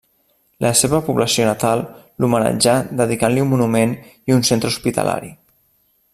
La seva població natal l'homenatjà dedicant-li un monument i un centre hospitalari.